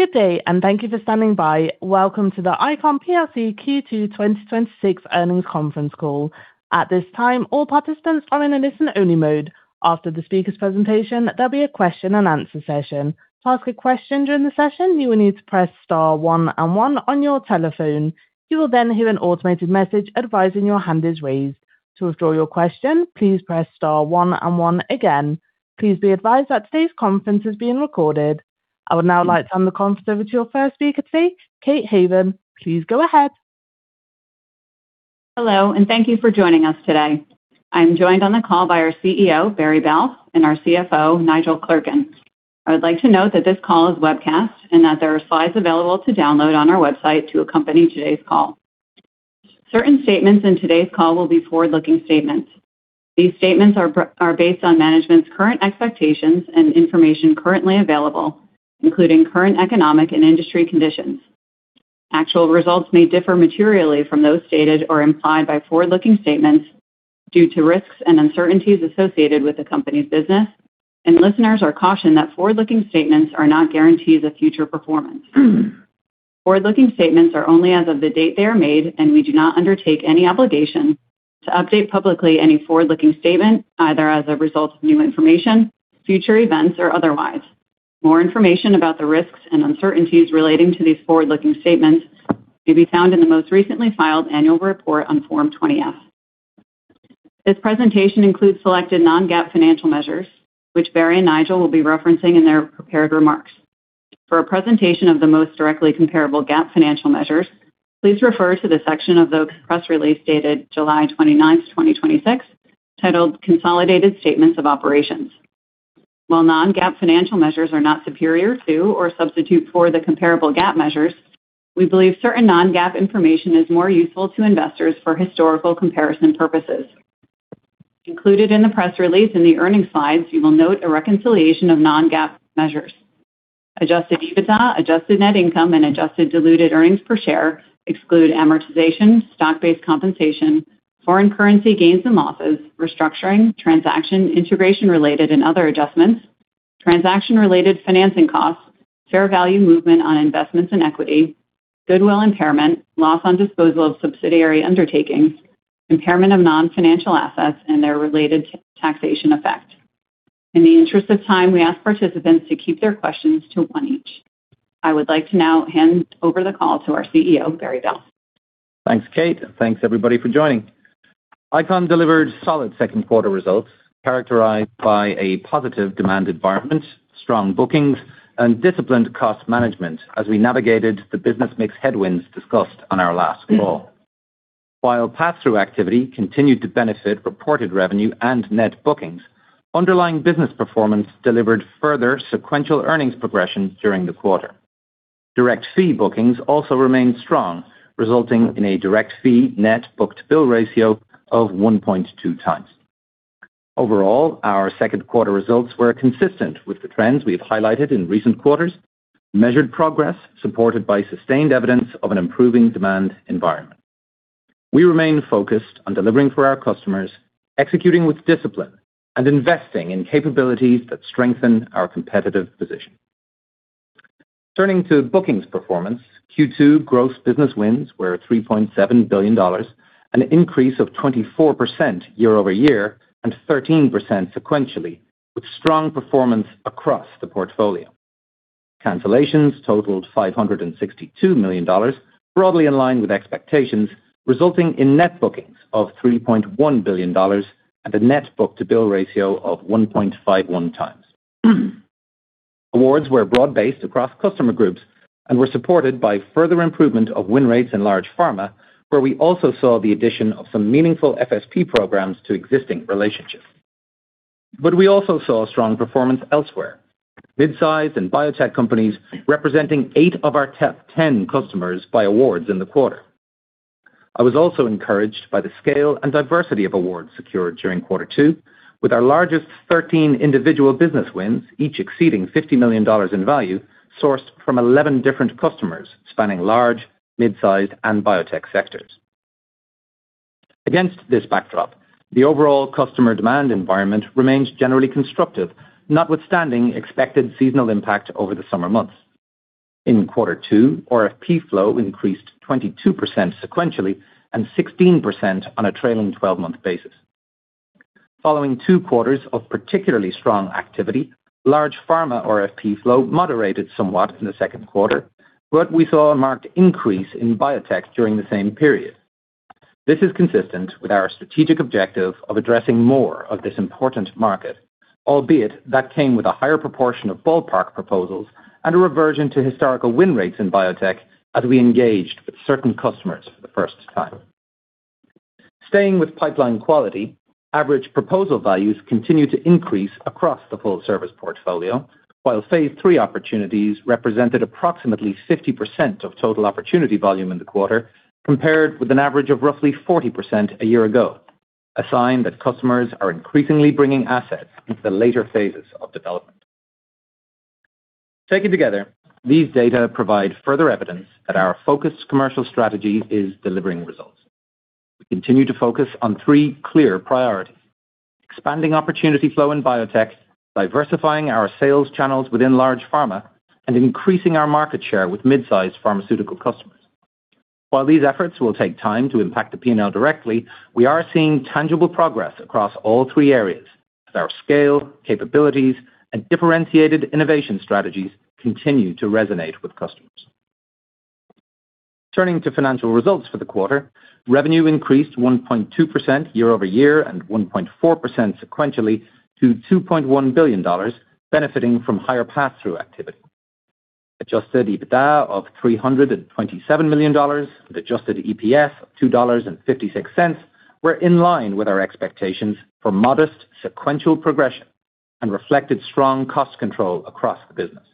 Good day. Thank you for standing by. Welcome to the ICON plc Q2 2026 Earnings Conference Call. At this time, all participants are in a listen-only mode. After the speakers' presentation, there'll be a question-and-answer session. To ask a question during the session, you will need to press star one and one on your telephone. You will then hear an automated message advising your hand is raised. To withdraw your question, please press star one and one again. Please be advised that today's conference is being recorded. I would now like to hand the conference over to your first speaker today, Kate Haven. Please go ahead. Hello. Thank you for joining us today. I'm joined on the call by our CEO, Barry Balfe, and our CFO, Nigel Clerkin. I would like to note that this call is webcast and that there are slides available to download on our website to accompany today's call. Certain statements in today's call will be forward-looking statements. These statements are based on management's current expectations and information currently available, including current economic and industry conditions. Actual results may differ materially from those stated or implied by forward-looking statements due to risks and uncertainties associated with the company's business. Listeners are cautioned that forward-looking statements are not guarantees of future performance. Forward-looking statements are only as of the date they are made. We do not undertake any obligation to update publicly any forward-looking statement, either as a result of new information, future events, or otherwise. More information about the risks and uncertainties relating to these forward-looking statements may be found in the most recently filed annual report on Form 20-F. This presentation includes selected non-GAAP financial measures, which Barry and Nigel will be referencing in their prepared remarks. For a presentation of the most directly comparable GAAP financial measures, please refer to the section of the press release dated July 29th, 2026, titled Consolidated Statements of Operations. While non-GAAP financial measures are not superior to or substitute for the comparable GAAP measures, we believe certain non-GAAP information is more useful to investors for historical comparison purposes. Included in the press release in the earnings slides, you will note a reconciliation of non-GAAP measures. Adjusted EBITDA, adjusted net income, and adjusted diluted earnings per share exclude amortization, stock-based compensation, foreign currency gains and losses, restructuring, transaction integration related and other adjustments, transaction-related financing costs, fair value movement on investments in equity, goodwill impairment, loss on disposal of subsidiary undertakings, impairment of non-financial assets, and their related taxation effect. In the interest of time, we ask participants to keep their questions to one each. I would like to now hand over the call to our CEO, Barry Balfe. Thanks, Kate. Thanks, everybody, for joining. ICON delivered solid second quarter results characterized by a positive demand environment, strong bookings, and disciplined cost management as we navigated the business mix headwinds discussed on our last call. While pass-through activity continued to benefit reported revenue and net bookings, underlying business performance delivered further sequential earnings progression during the quarter. Direct fee bookings also remained strong, resulting in a direct fee net book-to-bill ratio of 1.2x. Overall, our second quarter results were consistent with the trends we have highlighted in recent quarters, with measured progress supported by sustained evidence of an improving demand environment. We remain focused on delivering for our customers, executing with discipline, and investing in capabilities that strengthen our competitive position. Turning to bookings performance, Q2 gross business wins were $3.7 billion, an increase of 24% year-over-year and 13% sequentially, with strong performance across the portfolio. Cancellations totaled $562 million, broadly in line with expectations, resulting in net bookings of $3.1 billion and a net book-to-bill ratio of 1.51x. Awards were broad-based across customer groups and were supported by further improvement of win rates in large pharma, where we also saw the addition of some meaningful FSP programs to existing relationships. We also saw strong performance elsewhere. Mid-size and biotech companies representing eight of our top 10 customers by awards in the quarter. I was also encouraged by the scale and diversity of awards secured during quarter two, with our largest 13 individual business wins, each exceeding $50 million in value, sourced from 11 different customers spanning large, mid-sized, and biotech sectors. Against this backdrop, the overall customer demand environment remains generally constructive, notwithstanding expected seasonal impact over the summer months. In quarter two, RFP flow increased 22% sequentially and 16% on a trailing 12-month basis. Following two quarters of particularly strong activity, large pharma RFP flow moderated somewhat in the second quarter. We saw a marked increase in biotech during the same period. This is consistent with our strategic objective of addressing more of this important market, albeit that came with a higher proportion of ballpark proposals and a reversion to historical win rates in biotech as we engaged with certain customers for the first time. Staying with pipeline quality, average proposal values continued to increase across the full service portfolio, while phase III opportunities represented approximately 50% of total opportunity volume in the quarter compared with an average of roughly 40% a year ago, a sign that customers are increasingly bringing assets into the later phases of development. Taken together, these data provide further evidence that our focused commercial strategy is delivering results. We continue to focus on three clear priorities. Expanding opportunity flow in biotech, diversifying our sales channels within large pharma, and increasing our market share with mid-size pharmaceutical customers. While these efforts will take time to impact the P&L directly, we are seeing tangible progress across all three areas as our scale, capabilities, and differentiated innovation strategies continue to resonate with customers. Turning to financial results for the quarter, revenue increased 1.2% year-over-year and 1.4% sequentially to $2.1 billion, benefiting from higher pass-through activity. Adjusted EBITDA of $327 million, with adjusted EPS of $2.56, was in line with our expectations for modest sequential progression and reflected strong cost control across the business.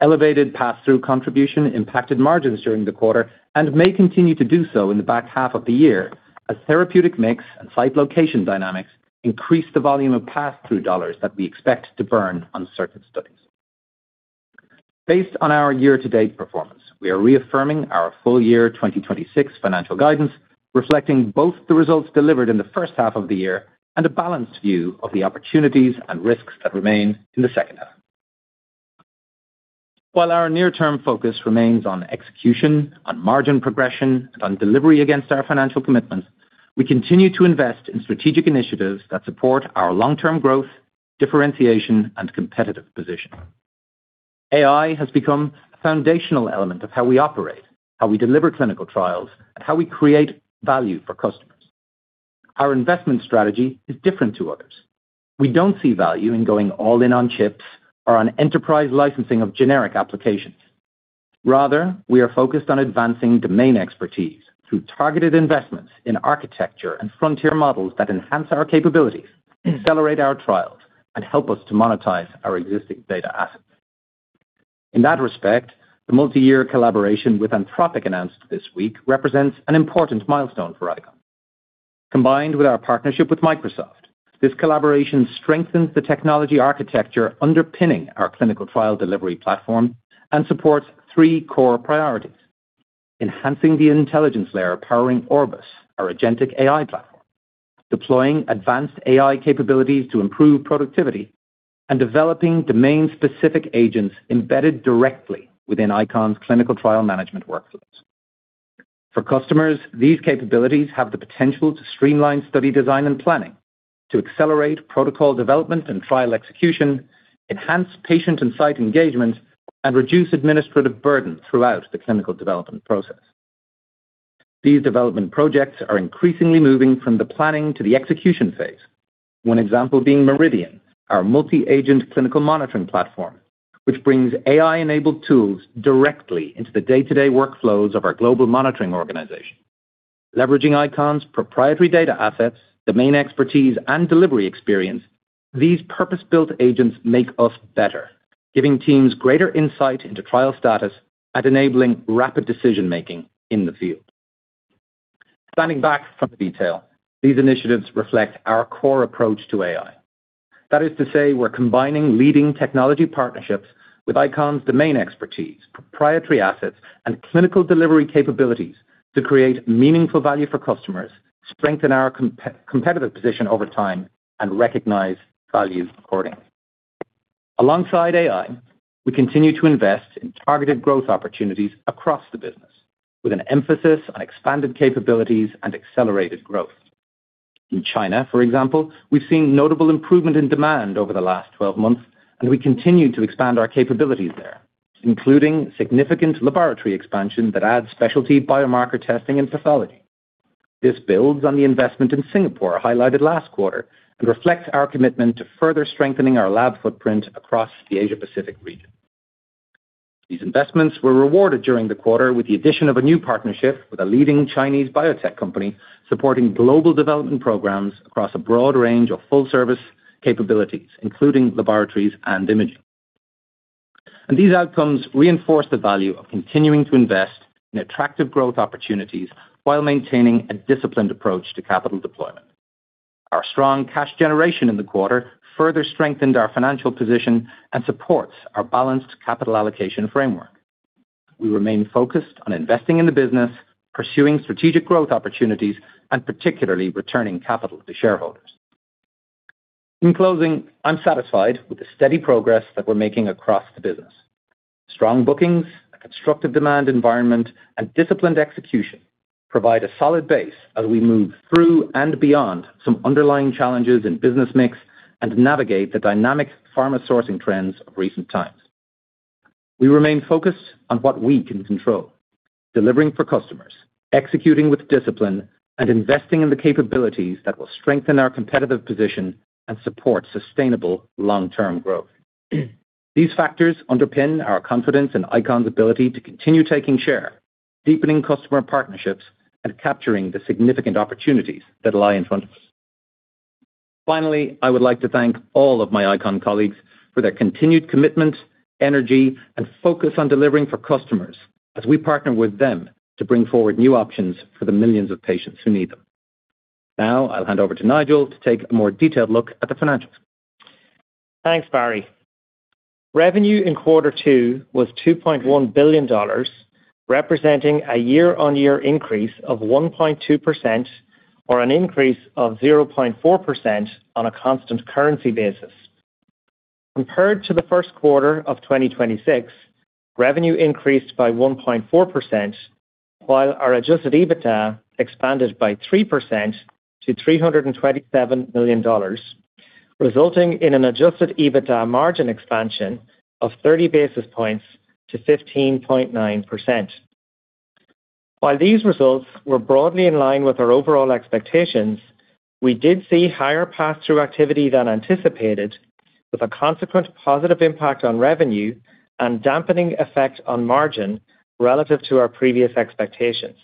Elevated pass-through contribution impacted margins during the quarter and may continue to do so in the back half of the year as therapeutic mix and site location dynamics increase the volume of pass-through dollars that we expect to burn on certain studies. Based on our year-to-date performance, we are reaffirming our full-year 2026 financial guidance, reflecting both the results delivered in the first half of the year and a balanced view of the opportunities and risks that remain in the second half. While our near-term focus remains on execution, on margin progression, and on delivery against our financial commitments, we continue to invest in strategic initiatives that support our long-term growth, differentiation, and competitive position. AI has become a foundational element of how we operate, how we deliver clinical trials, and how we create value for customers. Our investment strategy is different from others. We don't see value in going all in on chips or on enterprise licensing of generic applications. Rather, we are focused on advancing domain expertise through targeted investments in architecture and frontier models that enhance our capabilities, accelerate our trials, and help us to monetize our existing data assets. In that respect, the multi-year collaboration with Anthropic announced this week represents an important milestone for ICON. Combined with our partnership with Microsoft, this collaboration strengthens the technology architecture underpinning our clinical trial delivery platform and supports three core priorities. Enhancing the intelligence layer powering Orbis, our agentic AI platform, deploying advanced AI capabilities to improve productivity, and developing domain-specific agents embedded directly within ICON's clinical trial management workflows. For customers, these capabilities have the potential to streamline study design and planning, to accelerate protocol development and trial execution, to enhance patient and site engagement, and to reduce administrative burden throughout the clinical development process. These development projects are increasingly moving from the planning to the execution phase. One example being Meridian, our multi-agent clinical monitoring platform, which brings AI-enabled tools directly into the day-to-day workflows of our global monitoring organization. Leveraging ICON's proprietary data assets, domain expertise, and delivery experience, these purpose-built agents make us better, giving teams greater insight into trial status and enabling rapid decision-making in the field. Standing back from the detail, these initiatives reflect our core approach to AI. That is to say we're combining leading technology partnerships with ICON's domain expertise, proprietary assets, and clinical delivery capabilities to create meaningful value for customers, strengthen our competitive position over time, and recognize value accordingly. Alongside AI, we continue to invest in targeted growth opportunities across the business with an emphasis on expanded capabilities and accelerated growth. In China, for example, we've seen notable improvement in demand over the last 12 months, and we continue to expand our capabilities there, including significant laboratory expansion that adds specialty biomarker testing and pathology. This builds on the investment in Singapore highlighted last quarter and reflects our commitment to further strengthening our lab footprint across the Asia-Pacific region. These investments were rewarded during the quarter with the addition of a new partnership with a leading Chinese biotech company supporting global development programs across a broad range of full-service capabilities, including laboratories and imaging. These outcomes reinforce the value of continuing to invest in attractive growth opportunities while maintaining a disciplined approach to capital deployment. Our strong cash generation in the quarter further strengthened our financial position and supported our balanced capital allocation framework. We remain focused on investing in the business, pursuing strategic growth opportunities, and particularly returning capital to shareholders. In closing, I'm satisfied with the steady progress that we're making across the business. Strong bookings, a constructive demand environment, and disciplined execution provide a solid base as we move through and beyond some underlying challenges in the business mix and navigate the dynamic pharma sourcing trends of recent times. We remain focused on what we can control, delivering for customers, executing with discipline, and investing in the capabilities that will strengthen our competitive position and support sustainable long-term growth. These factors underpin our confidence in ICON's ability to continue taking share, deepening customer partnerships, and capturing the significant opportunities that lie in front of us. Finally, I would like to thank all of my ICON colleagues for their continued commitment, energy, and focus on delivering for customers as we partner with them to bring forward new options for the millions of patients who need them. Now, I'll hand over to Nigel to take a more detailed look at the financials. Thanks, Barry. Revenue in quarter two was $2.1 billion, representing a year-on-year increase of 1.2%, or an increase of 0.4% on a constant currency basis. Compared to the first quarter of 2026, revenue increased by 1.4%, while our adjusted EBITDA expanded by 3% to $327 million, resulting in an adjusted EBITDA margin expansion of 30 basis points to 15.9%. While these results were broadly in line with our overall expectations, we did see higher pass-through activity than anticipated, with a consequent positive impact on revenue and dampening effect on margin relative to our previous expectations.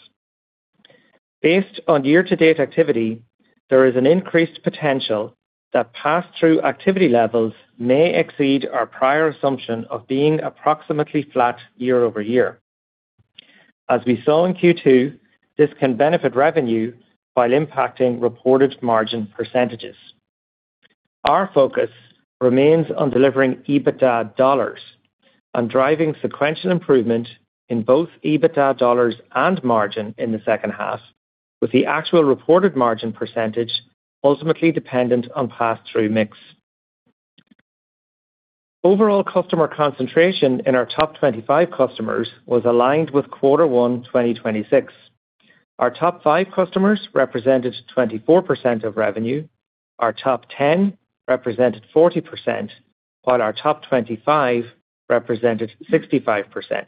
Based on year-to-date activity, there is an increased potential that pass-through activity levels may exceed our prior assumption of being approximately flat year-over-year. As we saw in Q2, this can benefit revenue while impacting reported margin percentages. Our focus remains on delivering EBITDA dollars and driving sequential improvement in both EBITDA dollars and margin in the second half, with the actual reported margin percentage ultimately dependent on pass-through mix. Overall customer concentration in our top 25 customers was aligned with quarter one 2026. Our top five customers represented 24% of revenue, our top 10 represented 40%, while our top 25 represented 65%.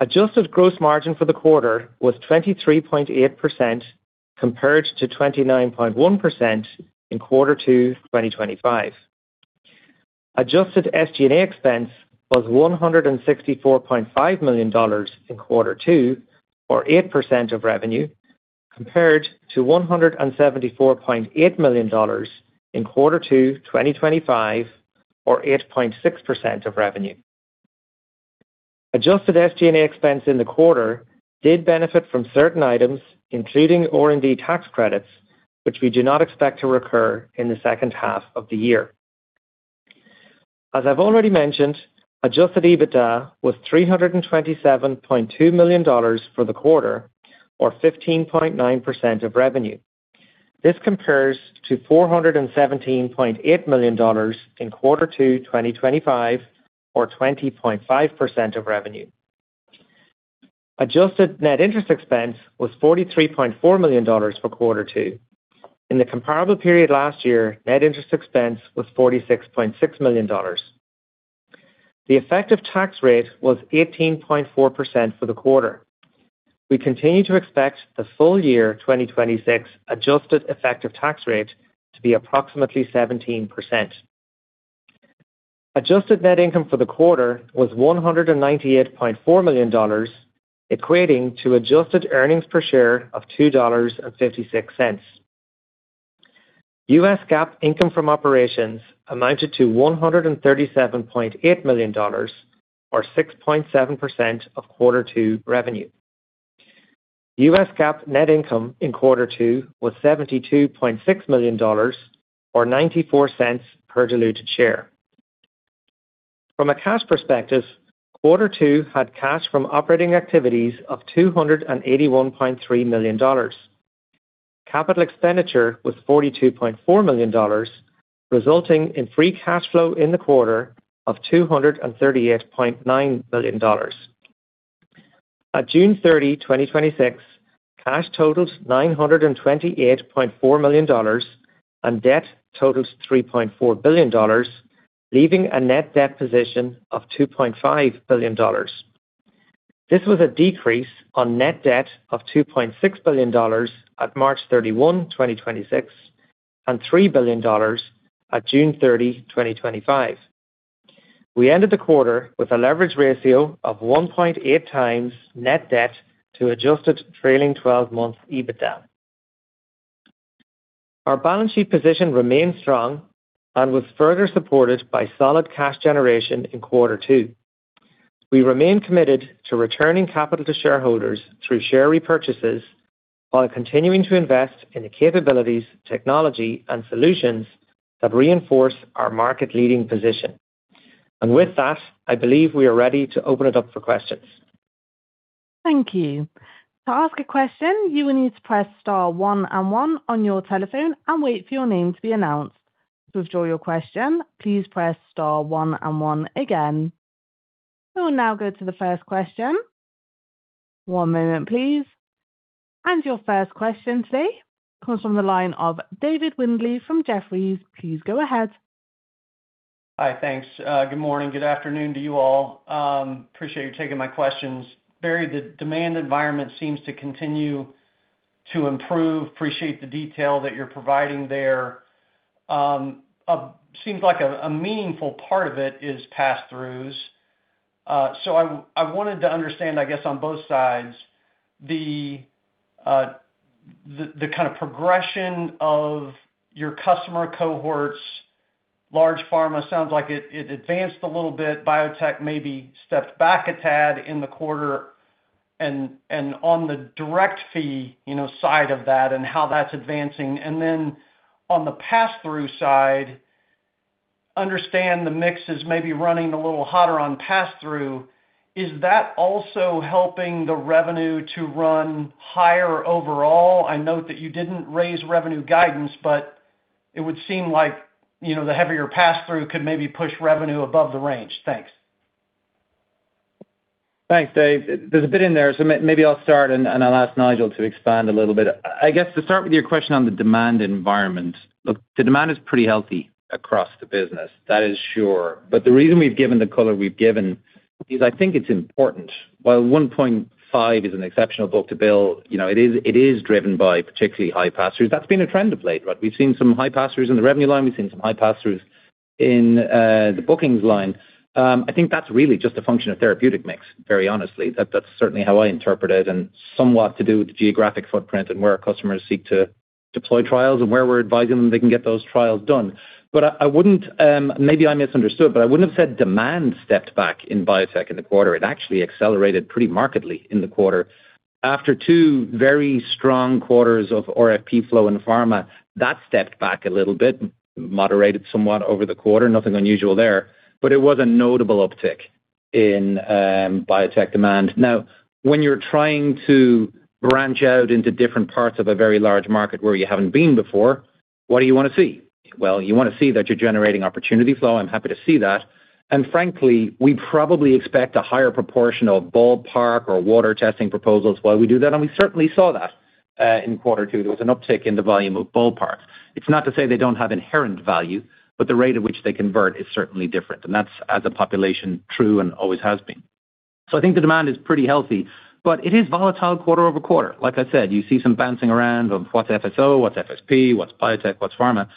Adjusted gross margin for the quarter was 23.8%, compared to 29.1% in quarter two of 2025. Adjusted SG&A expense was $164.5 million in quarter two, or 8% of revenue, compared to $174.8 million in quarter two 2025, or 8.6% of revenue. Adjusted SG&A expense in the quarter did benefit from certain items, including R&D tax credits, which we do not expect to recur in the second half of the year. As I've already mentioned, adjusted EBITDA was $327.2 million for the quarter, or 15.9% of revenue. This compares to $417.8 million in quarter two 2025, or 20.5% of revenue. Adjusted net interest expense was $43.4 million for quarter two. In the comparable period last year, net interest expense was $46.6 million. The effective tax rate was 18.4% for the quarter. We continue to expect the full-year-2026 adjusted effective tax rate to be approximately 17%. Adjusted net income for the quarter was $198.4 million, equating to adjusted earnings per share of $2.56. U.S. GAAP income from operations amounted to $137.8 million, or 6.7% of quarter-two revenue. U.S. GAAP net income in quarter two was $72.6 million, or $0.94 per diluted share. From a cash perspective, quarter two had cash from operating activities of $281.3 million. Capital expenditure was $42.4 million, resulting in free cash flow in the quarter of $238.9 million. At June 30, 2026, cash totaled $928.4 million, and debt totaled $3.4 billion, leaving a net debt position of $2.5 billion. This was a decrease in net debt of $2.6 billion at March 31, 2026, and $3 billion at June 30, 2025. We ended the quarter with a leverage ratio of 1.8x net debt to adjusted trailing 12-month EBITDA. Our balance sheet position remains strong and was further supported by solid cash generation in quarter two. We remain committed to returning capital to shareholders through share repurchases, while continuing to invest in capabilities, technology, and solutions that reinforce our market-leading position. And with that, I believe we are ready to open it up for questions. Thank you. To ask a question, you will need to press star one and one on your telephone and wait for your name to be announced. To withdraw your question, please press star one and one again. We will now go to the first question. One moment, please. Your first question today comes from the line of David Windley from Jefferies. Please go ahead. Hi. Thanks. Good morning. Good afternoon to you all. Appreciate you taking my questions. Barry, the demand environment seems to continue to improve. Appreciate the detail that you're providing there. Seems like a meaningful part of it is pass-throughs. I wanted to understand, I guess, on both sides, the kind of progression of your customer cohorts. Large pharma sounds like it advanced a little bit. Biotech maybe stepped back a tad in the quarter. On the direct fee side of that and how that's advancing. Then on the pass-through side, understand the mix is maybe running a little hotter on pass-through. Is that also helping the revenue to run higher overall? I note that you didn't raise revenue guidance; it would seem like the heavier pass-through could maybe push revenue above the range. Thanks. Thanks, David. There's a bit in there, so maybe I'll start and I'll ask Nigel to expand a little bit. To start with your question on the demand environment, the demand is pretty healthy across the business. That is sure. The reason we've given the color we've given is I think it's important. While 1.5 is an exceptional book-to-bill, it is driven by particularly high pass-throughs. That's been a trend of late, right? We've seen some high pass-throughs in the revenue line. We've seen some high pass-throughs in the bookings line. I think that's really just a function of the therapeutic mix, very honestly. That's certainly how I interpret it and somewhat to do with the geographic footprint and where our customers seek to deploy trials and where we're advising them they can get those trials done. Maybe I misunderstood, but I wouldn't have said demand stepped back in biotech in the quarter. It actually accelerated pretty markedly in the quarter. After two very strong quarters of RFP flow in pharma, that stepped back a little bit and moderated somewhat over the quarter. Nothing unusual there, but it was a notable uptick in biotech demand. When you're trying to branch out into different parts of a very large market where you haven't been before, what do you want to see? You want to see that you're generating opportunity flow. I'm happy to see that. Frankly, we probably expect a higher proportion of ballpark or water testing proposals while we do that, and we certainly saw that in quarter two. There was an uptick in the volume of ballparks. It's not to say they don't have inherent value, but the rate at which they convert is certainly different. That's as a population, true and always has been. I think the demand is pretty healthy, but it is volatile quarter-over-quarter. Like I said, you see some bouncing around on what's FSO, what's FSP, what's biotech, and what's pharma.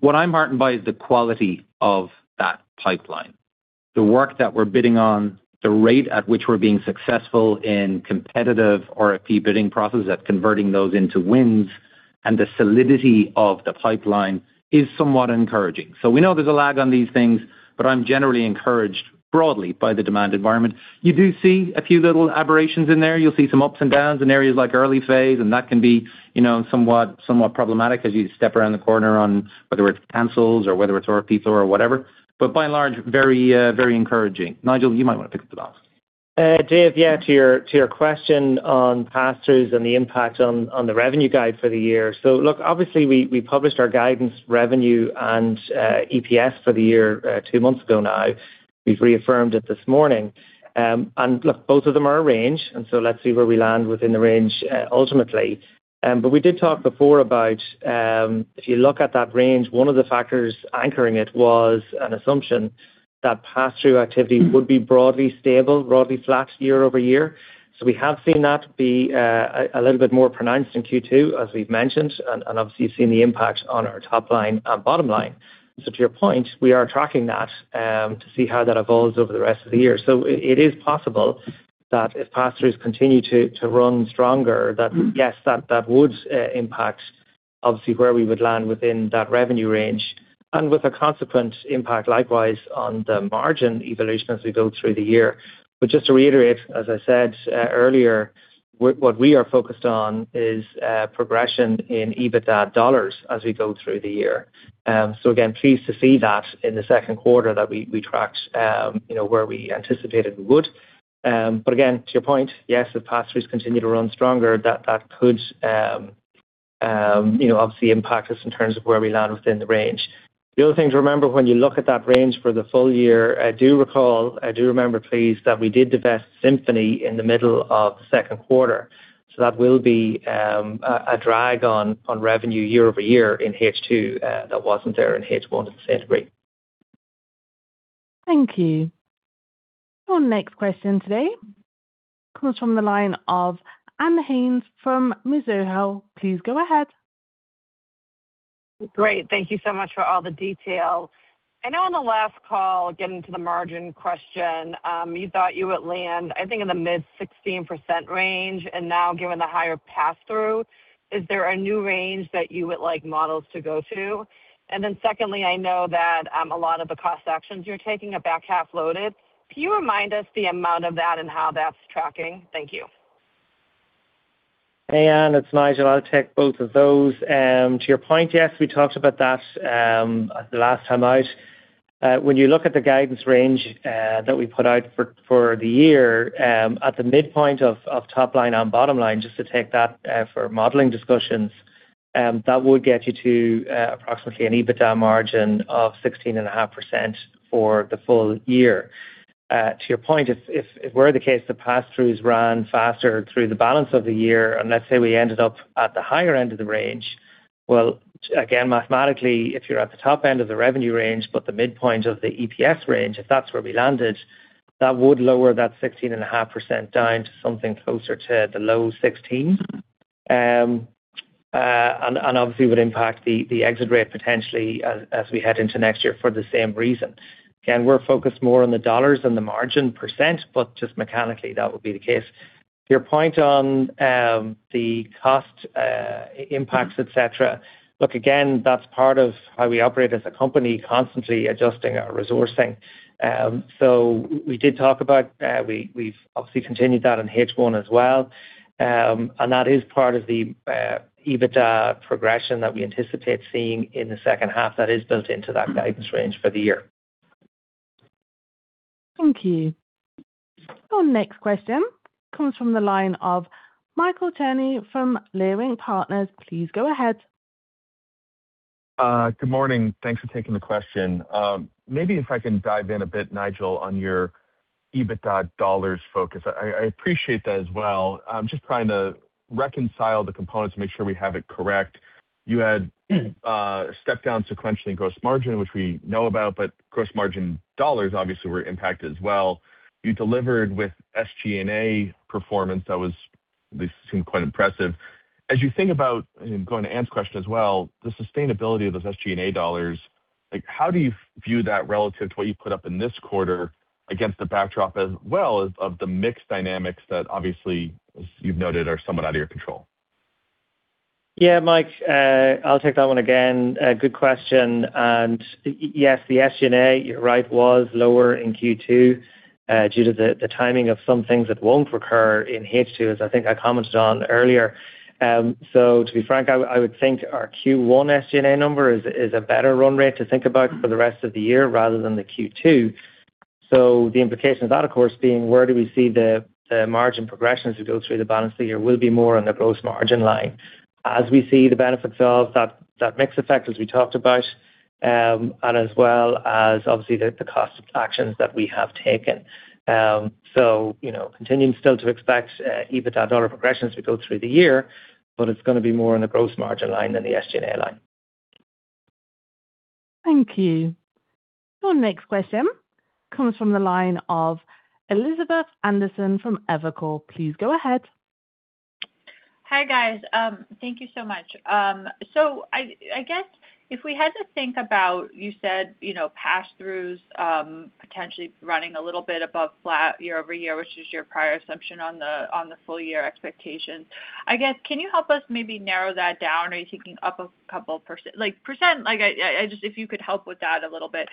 What I'm heartened by is the quality of that pipeline. The work that we're bidding on, the rate at which we're being successful in competitive RFP bidding processes, and the solidity of the pipeline are somewhat encouraging. We know there's a lag on these things, but I'm generally encouraged broadly by the demand environment. You do see a few little aberrations in there. You'll see some ups and downs in areas like the early phase, and that can be somewhat problematic as you step around the corner on whether it's canceled or whether it's an RFP or whatever. By and large, very encouraging. Nigel, you might want to pick up the ball. Dave, yeah, to your question on pass-throughs and the impact on the revenue guide for the year. Look, obviously, we published our guidance on revenue and EPS for the year two months ago now. We've reaffirmed it this morning. Look, both of them are a range, so let's see where we land within the range ultimately. We did talk before about, if you look at that range, one of the factors anchoring it was an assumption that pass-through activity would be broadly stable, broadly flat year-over-year. We have seen that be a little bit more pronounced in Q2, as we've mentioned, and obviously you've seen the impact on our top line and bottom line. To your point, we are tracking that to see how that evolves over the rest of the year. It is possible that if pass-throughs continue to run stronger, yes, that would obviously impact where we would land within that revenue range and with a consequent impact likewise on the margin evolution as we go through the year. Just to reiterate, as I said earlier, what we are focused on is progression in EBITDA dollars as we go through the year. Again, pleased to see that in the second quarter that we tracked where we anticipated we would. Again, to your point, yes, if pass-throughs continue to run stronger, that could obviously impact us in terms of where we land within the range. The other thing to remember when you look at that range for the full year is, do recall, do remember, please, that we did divest Symphony in the middle of the second quarter. That will be a drag on revenue year-over-year in H2 that wasn't there in H1 to the same degree. Thank you. Our next question today comes from the line of Ann Hynes from Mizuho. Please go ahead. Great. Thank you so much for all the detail. I know on the last call, getting to the margin question, you thought you would land, I think, in the mid-16% range. Now, given the higher pass-through, is there a new range that you would like models to go to? Secondly, I know that a lot of the cost actions you're taking are back half- loaded. Can you remind us of the amount of that and how that's tracking? Thank you. Hey, Ann, it's Nigel. I'll take both of those. To your point, yes, we talked about that the last time out. When you look at the guidance range that we put out for the year at the midpoint of the top line and bottom line, just to take that for modeling discussions, that would get you to approximately an EBITDA margin of 16.5% for the full year. To your point, if were the case that pass-throughs ran faster through the balance of the year, and let's say we ended up at the higher end of the range, well, again, mathematically, if you're at the top end of the revenue range, but the midpoint of the EPS range, if that's where we landed, that would lower that 16.5% down to something closer to the low 16%. Obviously it would impact the exit rate potentially as we head into next year for the same reason. Again, we're focused more on the dollars than the margin percent, but just mechanically, that would be the case. Your point on the cost impacts, et cetera. Look, again, that's part of how we operate as a company, constantly adjusting our resourcing. We've obviously continued that in H1 as well. That is part of the EBITDA progression that we anticipate seeing in the second half that is built into that guidance range for the year. Thank you. Our next question comes from the line of Michael Cherny from Leerink Partners. Please go ahead. Good morning. Thanks for taking the question. If I can dive in a bit, Nigel, on your EBITDA dollars, focus. I appreciate that as well. I'm just trying to reconcile the components to make sure we have it correct. You had a step-down sequentially in gross margin, which we know about; gross margin dollars obviously were impacted as well. You delivered with SG&A performance that seemed quite impressive. As you think about, going to Ann's question as well, the sustainability of those SG&A dollars, how do you view that relative to what you've put up in this quarter against the backdrop as well of the mix dynamics that obviously, as you've noted, are somewhat out of your control? Yeah, Mike, I'll take that one again. A good question. Yes, the SG&A, you're right, was lower in Q2 due to the timing of some things that won't recur in H2, as I think I commented on earlier. To be frank, I would think our Q1 SG&A number is a better run rate to think about for the rest of the year rather than Q2. The implication of that, of course, being where do we see the margin progression as we go through the balance of the year will be more on the gross margin line as we see the benefits of that mix effect as we talked about, as well as obviously the cost actions that we have taken. Continuing still to expect EBITDA dollar progression as we go through the year, it's going to be more on the gross margin line than the SG&A line. Thank you. Our next question comes from the line of Elizabeth Anderson from Evercore. Please go ahead. Hi, guys. Thank you so much. I guess if we had to think about it, you said pass-throughs potentially running a little bit above flat year-over-year, which is your prior assumption on the full-year expectations. I guess, can you help us maybe narrow that down? Are you thinking up a couple of percent? If you could help with that a little bit.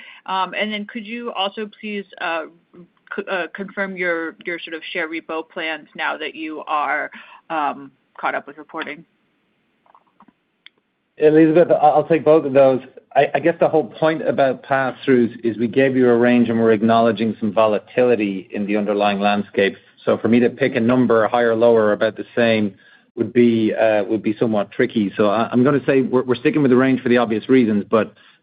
Could you also please confirm your sort of share repo plans now that you are caught up with reporting? Elizabeth, I'll take both of those. I guess the whole point about pass-throughs is we gave you a range, and we're acknowledging some volatility in the underlying landscape. For me to pick a number higher, lower, or about the same would be somewhat tricky. I'm going to say we're sticking with the range for the obvious reasons.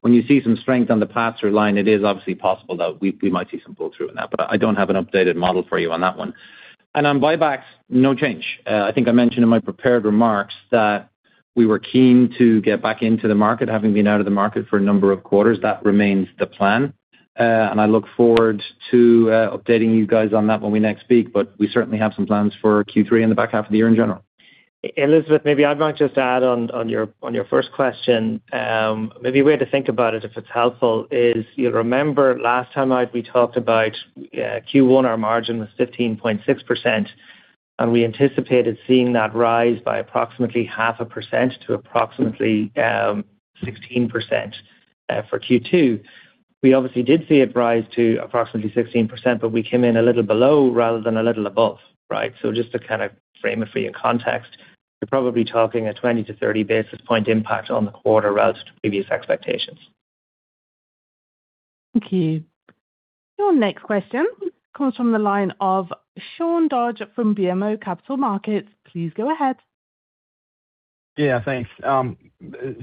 When you see some strength on the pass-through line, it is obviously possible that we might see some pull-through on that, but I don't have an updated model for you on that one. On buybacks, no change. I think I mentioned in my prepared remarks that we were keen to get back into the market, having been out of the market for a number of quarters. That remains the plan. I look forward to updating you guys on that when we next speak, but we certainly have some plans for Q3 in the back half of the year in general. Elizabeth, maybe I might just add on to your first question. Maybe a way to think about it, if it's helpful, is you'll remember last time we talked about Q1, our margin was 15.6%, and we anticipated seeing that rise by approximately half a percent to approximately 16%. For Q2, we obviously did see it rise to approximately 16%, but we came in a little below rather than a little above. Just to kind of frame it for you in context, you're probably talking about a 20- to 30-basis- point impact on the quarter relative to previous expectations. Thank you. Your next question comes from the line of Sean Dodge from BMO Capital Markets. Please go ahead. Yeah, thanks.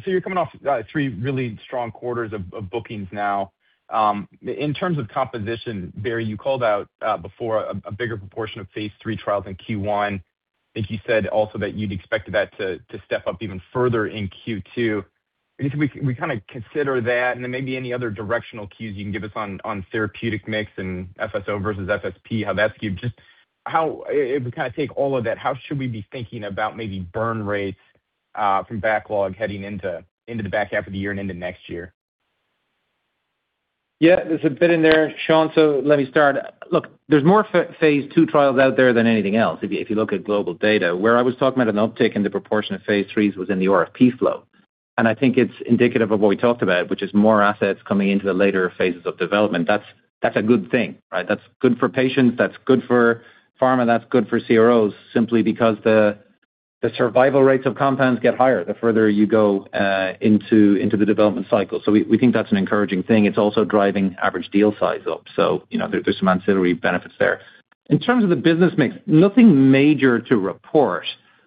You're coming off three really strong quarters of bookings now. In terms of composition, Barry, you called out before a bigger proportion of phase III trials in Q1. I think you said also that you'd expected that to step up even further in Q2. I guess we kind of consider that, and then maybe any other directional cues you can give us on the therapeutic mix and FSO versus FSP, how that skews. If we take all of that, how should we be thinking about maybe burn rates from backlog heading into the back half of the year and into next year? Yeah. There's a bit in there, Sean. Let me start. Look, there are more phase II trials out there than anything else if you look at global data. Where I was talking about an uptick in the proportion of phase III's was in the RFP flow. I think it's indicative of what we talked about, which is more assets coming into the later phases of development. That's a good thing. That's good for patients, that's good for pharma, and that's good for CROs simply because the survival rates of compounds get higher the further you go into the development cycle. We think that's an encouraging thing. It's also driving average deal size up. There are some ancillary benefits there. In terms of the business mix, nothing major to report.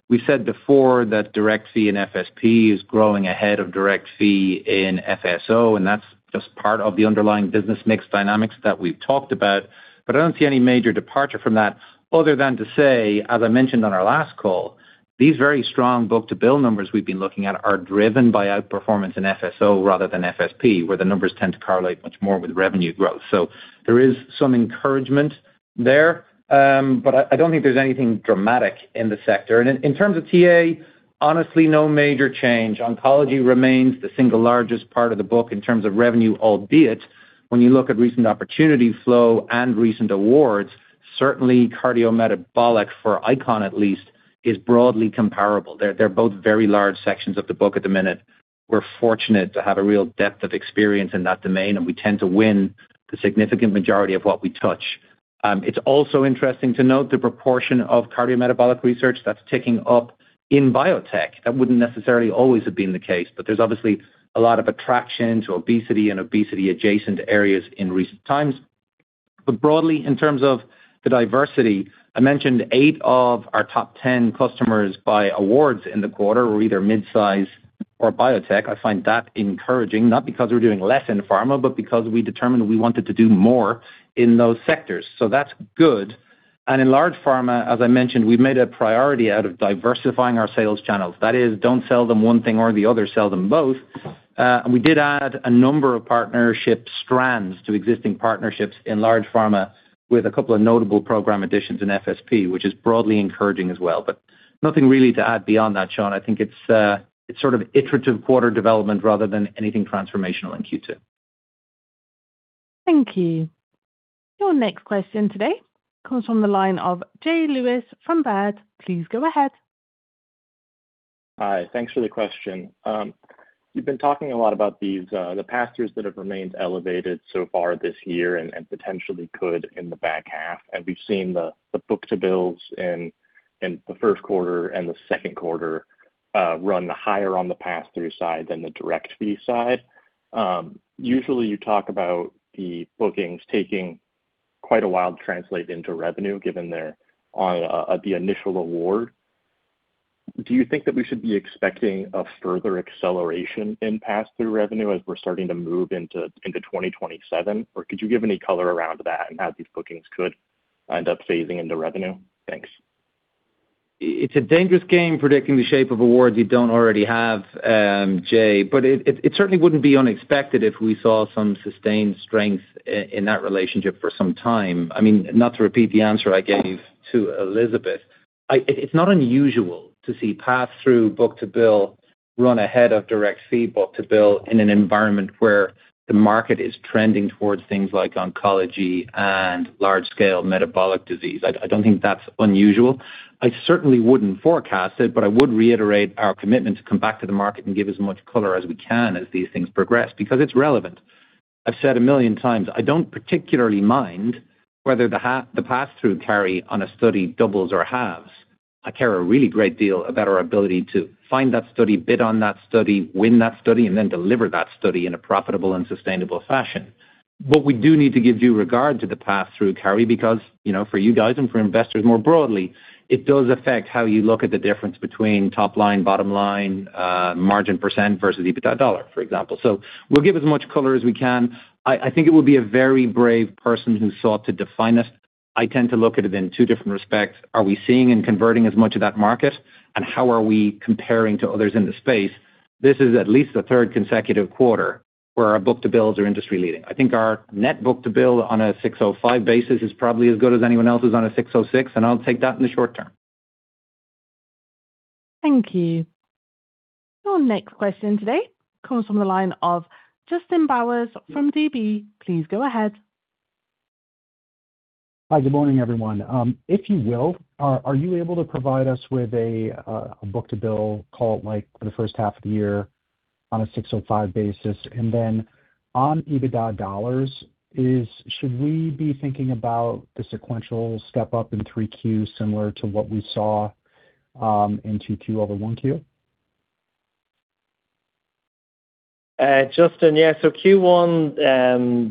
We said before that direct fee in FSP is growing ahead of direct fee in FSO, and that's just part of the underlying business mix dynamics that we've talked about. I don't see any major departure from that other than to say, as I mentioned on our last call, these very strong book-to-bill numbers we've been looking at are driven by outperformance in FSO rather than FSP, where the numbers tend to correlate much more with revenue growth. There is some encouragement there. I don't think there's anything dramatic in the sector. In terms of TA, honestly, no major change. Oncology remains the single largest part of the book in terms of revenue, albeit when you look at recent opportunity flow and recent awards, certainly cardiometabolic for ICON at least, is broadly comparable. They're both very large sections of the book at the minute. We're fortunate to have a real depth of experience in that domain; we tend to win the significant majority of what we touch. It's also interesting to note the proportion of cardiometabolic research that's ticking up in biotech. That wouldn't necessarily always have been the case, but there's obviously a lot of attraction to obesity and obesity-adjacent areas in recent times. Broadly, in terms of the diversity, I mentioned eight of our top 10 customers by awards in the quarter were either mid-size or biotech. I find that encouraging, not because we're doing less in pharma, but because we determined we wanted to do more in those sectors. That's good. In large pharma, as I mentioned, we've made a priority out of diversifying our sales channels. That is, don't sell them one thing or the other; sell them both. We did add a number of partnership strands to existing partnerships in large pharma with a couple of notable program additions in FSP, which is broadly encouraging as well. Nothing really to add beyond that, Sean. I think it's iterative quarter development rather than anything transformational in Q2. Thank you. Your next question today comes from the line of Jay Lewis from Baird. Please go ahead. Hi. Thanks for the question. You've been talking a lot about the pass-throughs that have remained elevated so far this year and potentially could in the back half, we've seen the book-to-bills in the first quarter and second quarters run higher on the pass-through side than the direct fee side. Usually, you talk about the bookings taking quite a while to translate into revenue given the initial award. Do you think that we should be expecting a further acceleration in pass-through revenue as we're starting to move into 2027? Could you give any color around that and how these bookings could end up phasing into revenue? Thanks. It's a dangerous game predicting the shape of awards you don't already have, Jay, but it certainly wouldn't be unexpected if we saw some sustained strength in that relationship for some time. Not to repeat the answer I gave to Elizabeth, it's not unusual to see pass-through book-to-bill run ahead of direct fee book-to-bill in an environment where the market is trending towards things like oncology and large-scale metabolic disease. I don't think that's unusual. I certainly wouldn't forecast it, but I would reiterate our commitment to come back to the market and give as much color as we can as these things progress, because it's relevant. I've said a million times, I don't particularly mind whether the pass-through carries on a study that doubles or halves. I care a great deal about our ability to find that study, bid on that study, win that study, and then deliver that study in a profitable and sustainable fashion. We do need to give due regard to the pass-through carry because, for you guys and for investors more broadly, it does affect how you look at the difference between top-line, bottom-line, and margin percent versus EBITDA dollar, for example. We'll give as much color as we can. I think it would be a very brave person who sought to define it. I tend to look at it in two different respects. Are we seeing and converting as much of that market, and how are we comparing to others in the space? This is at least the third consecutive quarter where our book-to-bills are industry-leading. I think our net book-to-bill on a 605 basis is probably as good as anyone else's on a 606; I'll take that in the short term. Thank you. Your next question today comes from the line of Justin Bowers from DB. Please go ahead. Hi. Good morning, everyone. If you will, are you able to provide us with a book-to-bill call for the first half of the year on a 605 basis? On EBITDA dollars, should we be thinking about the sequential step-up in Q3 similar to what we saw in Q2 over Q1? Justin, yeah. Q1,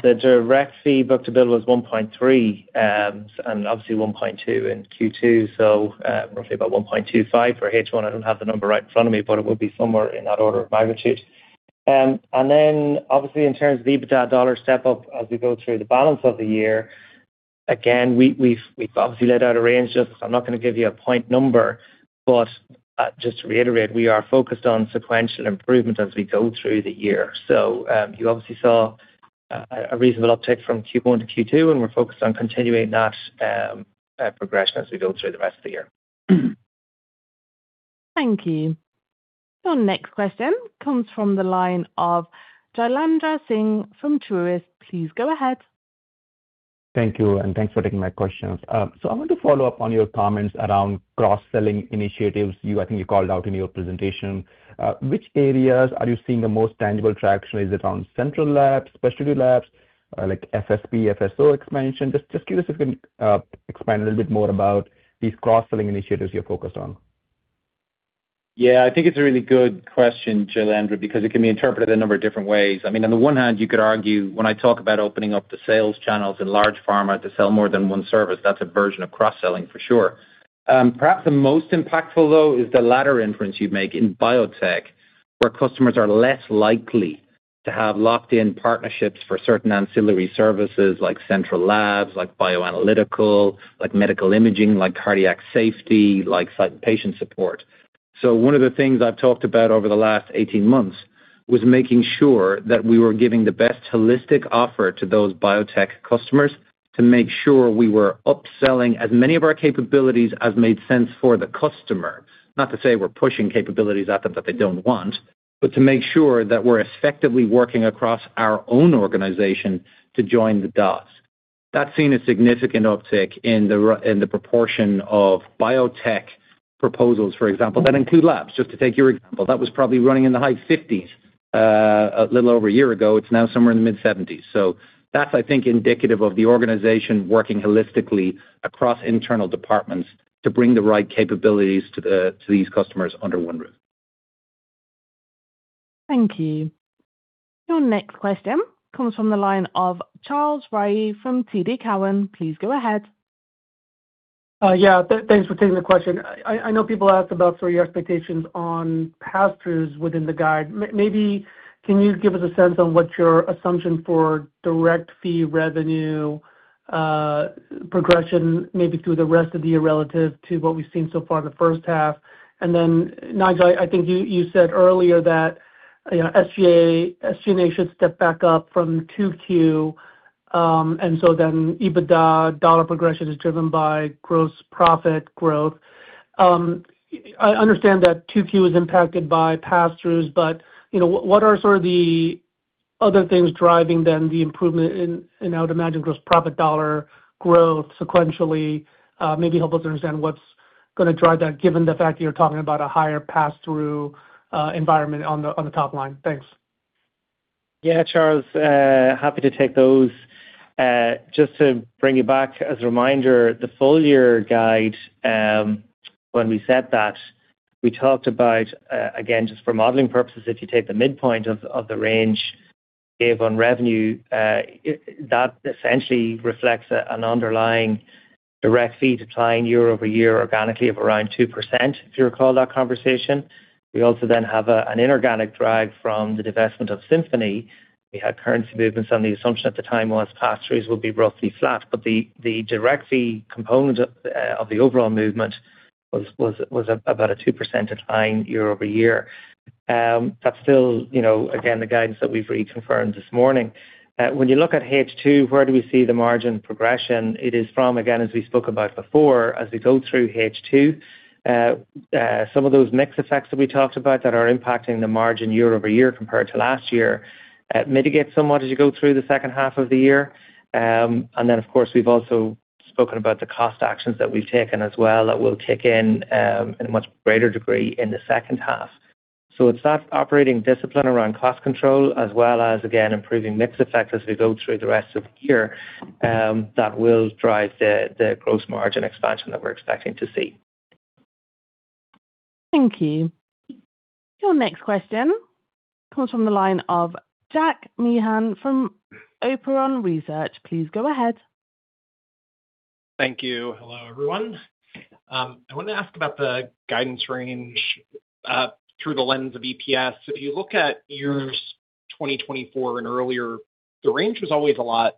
the direct fee book-to-bill was 1.3x, and obviously 1.2x in Q2, so roughly about 1.25x for H1. I don't have the number right in front of me, but it would be somewhere in that order of magnitude. Obviously, in terms of the EBITDA dollar step-up as we go through the balance of the year, again, we've obviously laid out a range. I'm not going to give you a point number, but just to reiterate, we are focused on sequential improvement as we go through the year. You obviously saw a reasonable uptick from Q1 to Q2, and we're focused on continuing that progression as we go through the rest of the year. Thank you. Your next question comes from the line of Jailendra Singh from Truist. Please go ahead. Thank you, and thanks for taking my questions. I want to follow up on your comments around cross-selling initiatives. I think you called out in your presentation. Which areas are you seeing the most tangible traction? Is it on central labs, specialty labs, like FSP, or FSO expansion? Just see if you can explain a little bit more about these cross-selling initiatives you're focused on. I think it's a really good question, Jailendra, because it can be interpreted a number of different ways. On the one hand, you could argue when I talk about opening up the sales channels in large pharma to sell more than one service, that's a version of cross-selling for sure. Perhaps the most impactful, though, is the latter inference you'd make in biotech, where customers are less likely to have locked-in partnerships for certain ancillary services like central labs, like bioanalytical, like medical imaging, like cardiac safety, and like patient support. One of the things I've talked about over the last 18 months was making sure that we were giving the best holistic offer to those biotech customers to make sure we were upselling as many of our capabilities as made sense for the customer. Not to say we're pushing capabilities at them that they don't want, to make sure that we're effectively working across our own organization to join the dots. That's seen a significant uptick in the proportion of biotech proposals, for example, that include labs, just to take your example. That was probably running in the high-50s a little over a year ago. It's now somewhere in the mid-70s. That's, I think, indicative of the organization working holistically across internal departments to bring the right capabilities to these customers under one roof. Thank you. Your next question comes from the line of Charles Rhyee from TD Cowen. Please go ahead. Thanks for taking the question. I know people ask about your expectations on pass-throughs within the guide. Maybe can you give us a sense of what your assumption is for direct fee revenue progression, maybe through the rest of the year relative to what we've seen so far in the first half? Nigel, I think you said earlier that SG&A should step back up from Q2, and EBITDA dollar progression is driven by gross profit growth. I understand that Q2 is impacted by pass-throughs, what are sort of the other things driving the improvement in, I would imagine, gross profit dollar growth sequentially? Maybe help us understand what's going to drive that given the fact that you're talking about a higher pass-through environment on the top line. Thanks. Yeah, Charles, happy to take those. Just to bring you back as a reminder, the full-year guide, when we set that, we talked about, again, just for modeling purposes, if you take the midpoint of the range gave on revenue, that essentially reflects an underlying direct fee decline year-over-year organically of around 2%, if you recall that conversation. We also then have an inorganic drag from the divestment of Symphony. We had currency movements on the assumption at the time that pass-throughs would be roughly flat. The direct fee component of the overall movement was about a 2% decline year-over-year. That's still, again, the guidance that we've reconfirmed this morning. When you look at H2, where do we see the margin progression? It is from, again, as we spoke about before, as we go through H2, some of those mix effects that we talked about that are impacting the margin year-over-year compared to last year mitigate somewhat as you go through the second half of the year. Then, of course, we've also spoken about the cost actions that we've taken as well that will kick in a much greater degree in the second half. It's that operating discipline around cost control as well as, again, improving the mix effect as we go through the rest of the year that will drive the gross margin expansion that we're expecting to see. Thank you. Your next question comes from the line of Jack Meehan from Nephron Research. Please go ahead. Thank you. Hello, everyone. I wanted to ask about the guidance range through the lens of EPS. If you look at years 2024 and earlier, the range was always a lot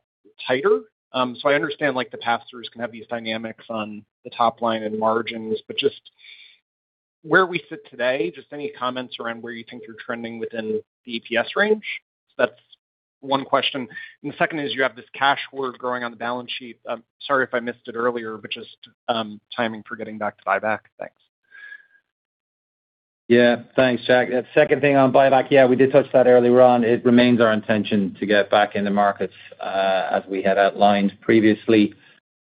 tighter. I understand the pass-throughs can have these dynamics on the top line and margins, but just where we sit today, just any comments around where you think you're trending within the EPS range? That's one question. The second is you have this cash hoard growing on the balance sheet. Sorry if I missed it earlier, but just timing for getting back to buyback. Thanks. Thanks, Jack. That second thing on buyback, we did touch that earlier on. It remains our intention to get back in the markets, as we had outlined previously.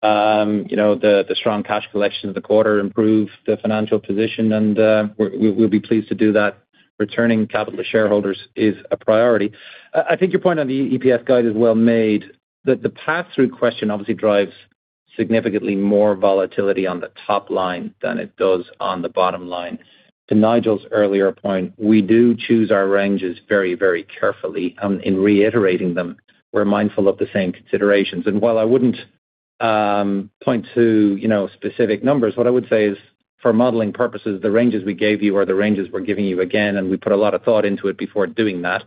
The strong cash collection of the quarter improved the financial position, and we'll be pleased to do that. Returning capital to shareholders is a priority. I think your point on the EPS guide is well made. The pass-through question obviously drives significantly more volatility on the top line than it does on the bottom line. To Nigel's earlier point, we do choose our ranges very carefully. In reiterating them, we're mindful of the same considerations. While I wouldn't point to specific numbers, what I would say is for modeling purposes, the ranges we gave you are the ranges we're giving you again, and we put a lot of thought into it before doing that.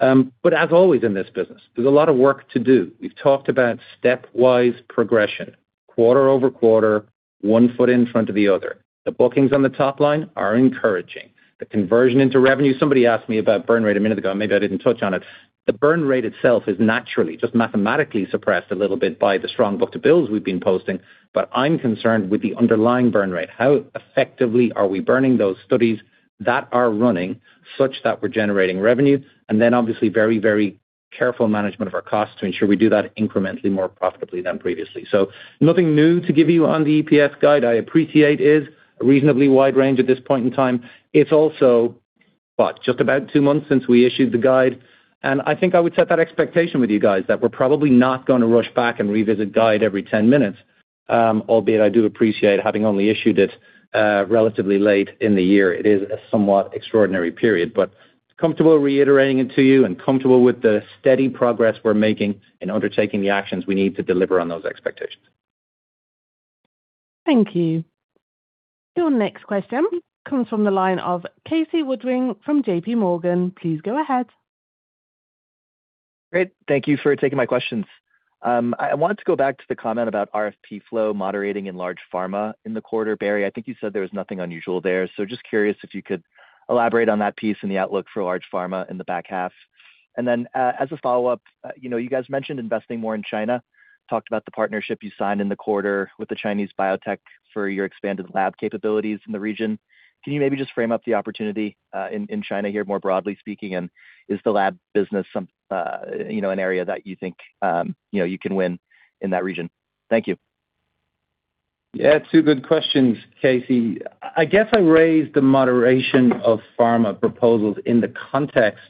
As always in this business, there's a lot of work to do. We've talked about stepwise progression, quarter-over-quarter, one foot in front of the other. The bookings on the top line are encouraging. The conversion into revenue. Somebody asked me about burn rate a minute ago, and maybe I didn't touch on it. The burn rate itself is naturally just mathematically suppressed a little bit by the strong book-to-bills we've been posting. I'm concerned with the underlying burn rate. How effectively are we burning those studies that are running such that we're generating revenue? Obviously very careful management of our costs to ensure we do that incrementally more profitably than previously. Nothing new to give you on the EPS guide. I appreciate it is a reasonably wide range at this point in time. It's also just about two months since we issued the guide. I think I would set that expectation with you guys that we're probably not going to rush back and revisit the guide every 10 minutes. Albeit I do appreciate having only issued it relatively late in the year. It is a somewhat extraordinary period, and I'm comfortable reiterating it to you and comfortable with the steady progress we're making in undertaking the actions we need to deliver on those expectations. Thank you. Your next question comes from the line of Casey Woodring from J.P. Morgan. Please go ahead. Great. Thank you for taking my questions. I wanted to go back to the comment about RFP flow moderating in large pharma in the quarter. Barry, I think you said there was nothing unusual there. Just curious if you could elaborate on that piece and the outlook for large pharma in the back half. As a follow-up, you guys mentioned investing more in China and talked about the partnership you signed in the quarter with the Chinese biotech for your expanded lab capabilities in the region. Can you maybe just frame up the opportunity in China here, more broadly speaking? Is the lab business an area that you think you can win in that region? Thank you. Yeah, two good questions, Casey. I guess I raised the moderation of pharma proposals in the context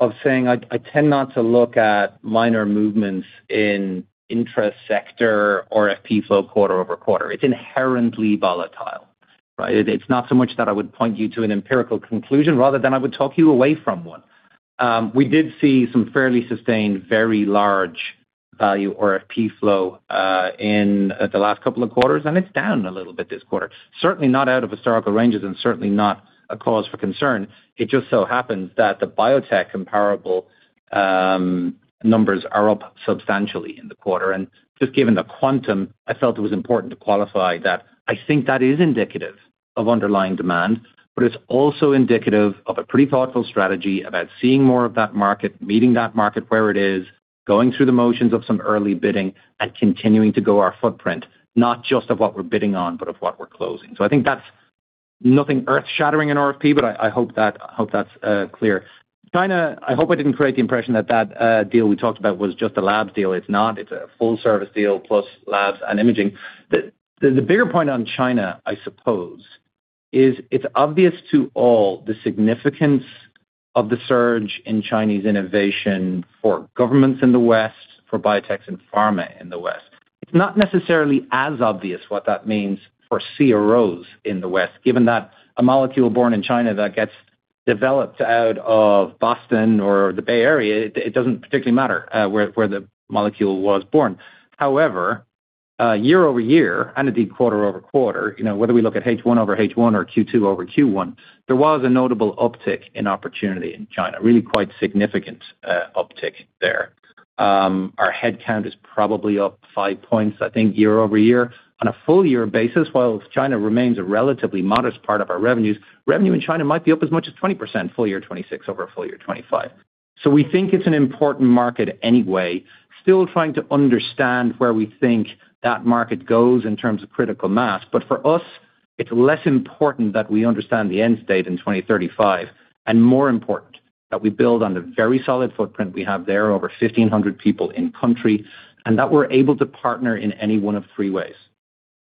of saying I tend not to look at minor movements in intra-sector RFP flow quarter-over-quarter. It's inherently volatile. It's not so much that I would point you to an empirical conclusion, but rather that I would talk you away from one. We did see some fairly sustained, very large value RFP flow in the last couple of quarters. It's down a little bit this quarter. Certainly not out of historical ranges and certainly not a cause for concern. It just so happens that the biotech comparable numbers are up substantially in the quarter. Just given the quantum, I felt it was important to qualify that I think that is indicative of underlying demand, but it's also indicative of a pretty thoughtful strategy about seeing more of that market, meeting that market where it is, going through the motions of some early bidding, and continuing to grow our footprint, not just of what we're bidding on, but of what we're closing. I think that's nothing earth-shattering in RFP, but I hope that's clear. China, I hope I didn't create the impression that that deal we talked about was just a lab deal. It's not. It's a full-service deal, plus labs and imaging. The bigger point on China, I suppose, is it's obvious to all the significance of the surge in Chinese innovation for governments in the West and for biotechs and pharma in the West. It's not necessarily as obvious what that means for CROs in the West, given that a molecule born in China that gets developed out of Boston or the Bay Area doesn't particularly matter where the molecule was born. However, year-over-year, indeed quarter-over-quarter, whether we look at H1 over H1 or Q2 over Q1, there was a notable uptick in opportunity in China. Really quite significant uptick there. Our head count is probably up five points, I think, year-over-year. On a full-year basis, whilst China remains a relatively modest part of our revenues, revenue in China might be up as much as 20% from full-year 2025 to full-year 2026. We think it's an important market anyway. Still trying to understand where we think that market goes in terms of critical mass. For us, it's less important that we understand the end state in 2035, and more important that we build on the very solid footprint we have there, over 1,500 people in country, and that we're able to partner in any one of three ways.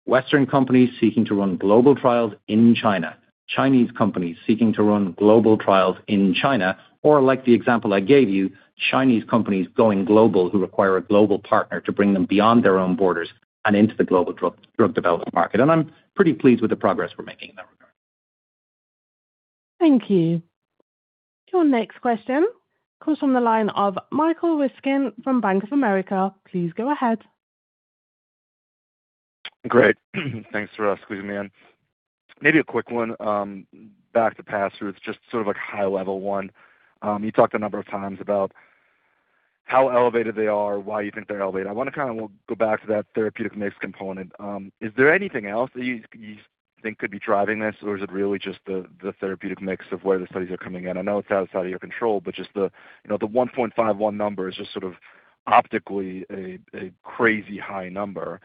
Western companies seeking to run global trials in China, Chinese companies seeking to run global trials in China, or, like the example I gave you, Chinese companies going global who require a global partner to bring them beyond their own borders and into the global drug development market. And I'm pretty pleased with the progress we're making in that regard. Thank you. Your next question comes from the line of Michael Ryskin from Bank of America. Please go ahead. Great. Thanks for squeezing me in. A quick one, back to pass-throughs, just sort of a high-level one. You talked a number of times about how elevated they are and why you think they're elevated. I want to go back to that therapeutic mix component. Is there anything else that you think could be driving this, or is it really just the therapeutic mix of where the studies are coming in? I know it's outside of your control, but just the 1.51 number is just sort of optically a crazy high number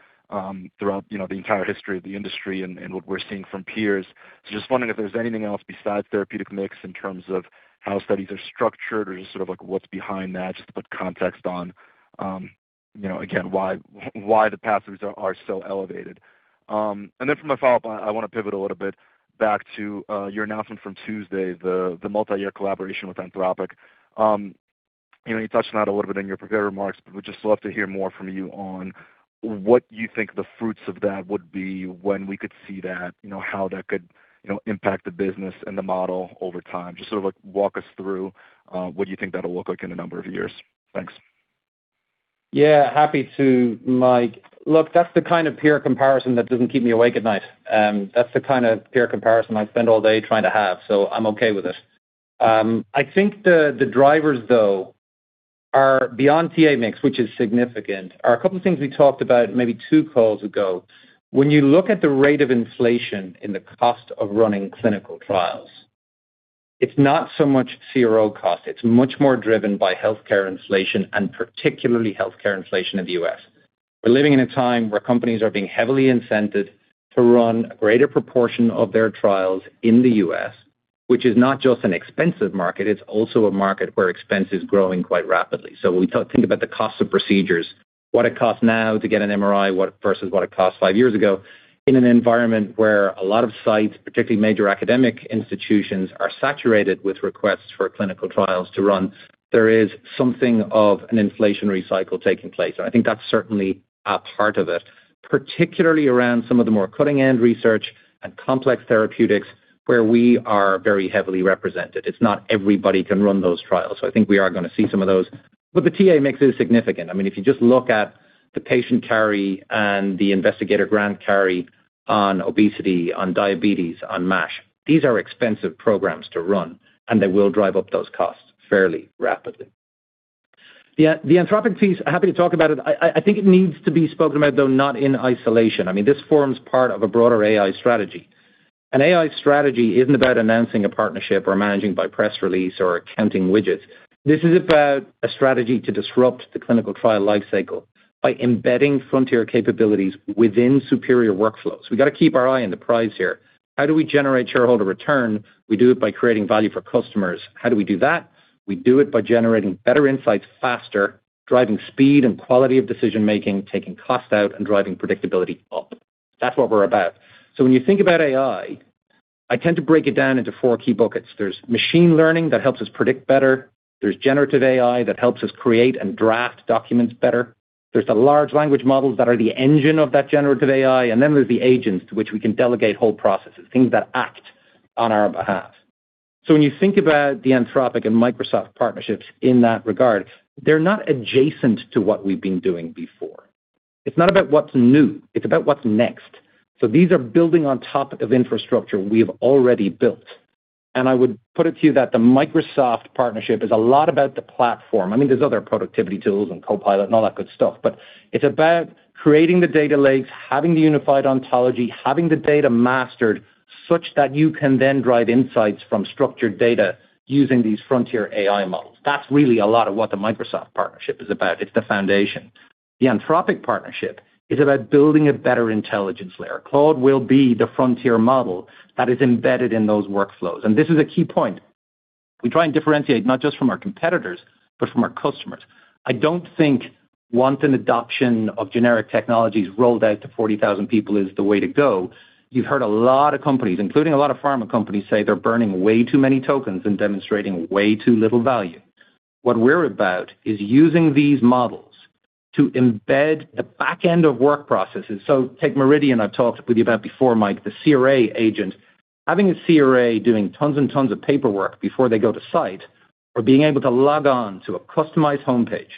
throughout the entire history of the industry and what we're seeing from peers. Just wondering if there's anything else besides the therapeutic mix in terms of how studies are structured or just sort of like what's behind that, just to put context on, again, why the pass-throughs are so elevated. For my follow-up, I want to pivot a little bit back to your announcement from Tuesday, the multi-year collaboration with Anthropic. You touched on that a little bit in your prepared remarks, but I would just love to hear more from you on what you think the fruits of that would be, when we could see that, how that could impact the business and the model over time. Just sort of walk us through what you think that'll look like in a number of years. Thanks. Happy to, Mike. That's the kind of peer comparison that doesn't keep me awake at night. That's the kind of peer comparison I spend all day trying to have, so I'm okay with it. I think the drivers, though, are beyond TA mix, which is significant. A couple of things we talked about maybe two calls ago. When you look at the rate of inflation in the cost of running clinical trials, it's not so much CRO cost. It's much more driven by healthcare inflation, and particularly healthcare inflation in the U.S. We're living in a time where companies are being heavily incentivized to run a greater proportion of their trials in the U.S., which is not just an expensive market; it's also a market where expense is growing quite rapidly. When we think about the cost of procedures, what it costs now to get an MRI versus what it cost five years ago, in an environment where a lot of sites, particularly major academic institutions, are saturated with requests for clinical trials to run, there is something of an inflationary cycle taking place. I think that's certainly a part of it, particularly around some of the more cutting-edge research and complex therapeutics where we are very heavily represented. It's not everybody who can run those trials. I think we are going to see some of those. The TA mix is significant. If you just look at the patient carry and the investigator grant carry on obesity, on diabetes, and on MASH, these are expensive programs to run, and they will drive up those costs fairly rapidly. The Anthropic piece—happy to talk about it. I think it needs to be spoken about, though, not in isolation. This forms part of a broader AI strategy. An AI strategy isn't about announcing a partnership or managing by press release or counting widgets. This is about a strategy to disrupt the clinical trial lifecycle by embedding frontier capabilities within superior workflows. We have to keep our eye on the prize here. How do we generate shareholder return? We do it by creating value for customers. How do we do that? We do it by generating better insights faster, driving speed and quality of decision-making, taking costs out, and driving predictability up. That's what we're about. When you think about AI, I tend to break it down into four key buckets. There's machine learning that helps us predict better. There's generative AI that helps us create and draft documents better. There are the large language models that are the engine of that generative AI. Then there are the agents, to whom we can delegate whole processes, things that act on our behalf. When you think about the Anthropic and Microsoft partnerships in that regard, they're not adjacent to what we've been doing before. It's not about what's new; it's about what's next. These are building on top of infrastructure we've already built. I would put it to you that the Microsoft partnership is a lot about the platform. There are other productivity tools and Copilot and all that good stuff, but it's about creating the data lakes, having the unified ontology, and having the data mastered such that you can then drive insights from structured data using these frontier AI models. That's really a lot of what the Microsoft partnership is about. It's the foundation. The Anthropic partnership is about building a better intelligence layer. Claude will be the frontier model that is embedded in those workflows. This is a key point. We try and differentiate not just from our competitors but also from our customers. I don't think once an adoption of generic technology is rolled out to 40,000 people is the way to go. You've heard a lot of competitors, including a lot of pharma companies, say they're burning way too many tokens and demonstrating way too little value. What we're about is using these models to embed the back end of work processes. Take Meridian, I've talked with you about before, Mike, the CRA agent. Having a CRA doing tons and tons of paperwork before they go to site, or being able to log on to a customized homepage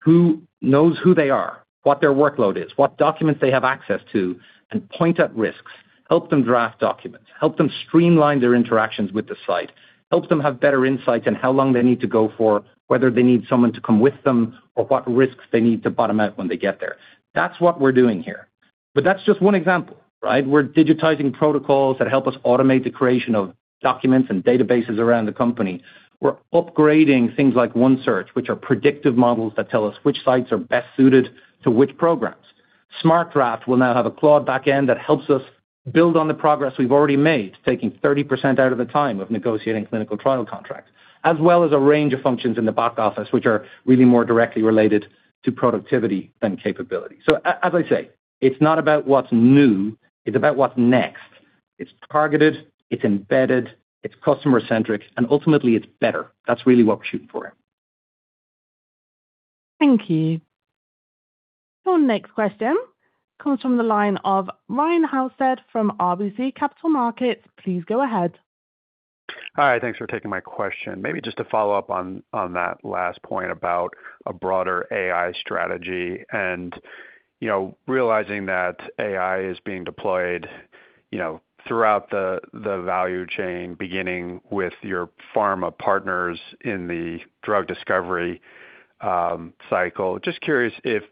who knows who they are, what their workload is, what documents they have access to, and point at risks, help them draft documents, help them streamline their interactions with the site, help them have better insights on how long they need to go for, whether they need someone to come with them or what risks they need to bottom out when they get there. That's what we're doing here. That's just one example, right? We're digitizing protocols that help us automate the creation of documents and databases around the company. We're upgrading things like OneSearch, which are predictive models that tell us which sites are best suited to which programs. SmartDraft will now have a Claude back end that helps us build on the progress we've already made, taking 30% out of the time of negotiating clinical trial contracts, as well as a range of functions in the back office, which are really more directly related to productivity than capability. As I say, it's not about what's new; it's about what's next. It's targeted, it's embedded, it's customer-centric, and ultimately it's better. That's really what we're shooting for. Thank you. Your next question comes from the line of Ryan Halsted from RBC Capital Markets. Please go ahead. Hi, thanks for taking my question. Maybe just to follow up on that last point about a broader AI strategy and realizing that AI is being deployed throughout the value chain, beginning with your pharma partners in the drug discovery cycle. Just curious if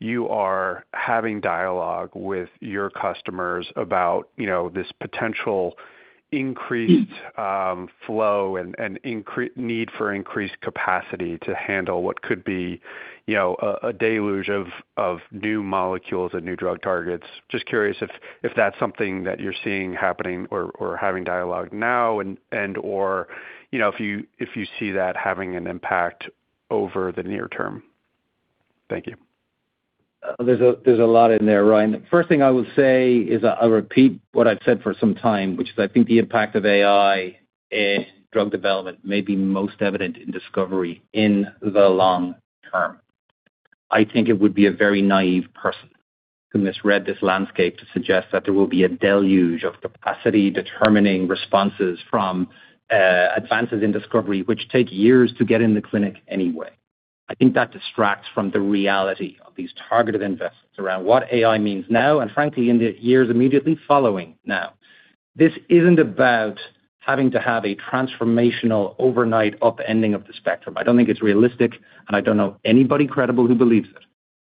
you are having dialogue with your customers about this potential increased flow and need for increased capacity to handle what could be a deluge of new molecules and new drug targets. Just curious if that's something that you're seeing happening or having dialogue now and/or if you see that having an impact over the near term. Thank you. There's a lot in there, Ryan. The first thing I would say is I'll repeat what I've said for some time, which is I think the impact of AI in drug development may be most evident in discovery in the long term. I think it would be a very naive person who misread this landscape to suggest that there will be a deluge of capacity-determining responses from advances in discovery, which take years to get in the clinic anyway. I think that distracts from the reality of these targeted investments around what AI means now, and frankly, in the years immediately following now. This isn't about having to have a transformational overnight upending of the spectrum. I don't think it's realistic, and I don't know anybody credible who believes it.